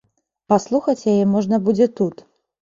Паслухаць яе можна будзе тут.